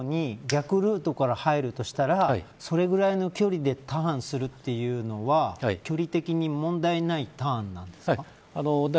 ちなみに、この新空港に逆ルートから入るとしたらそれぐらいの距離でターンするというのは距離的に問題ないターンなんですか。